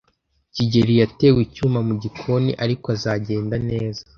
kigeli yatewe icyuma mu gikoni, ariko azagenda neza.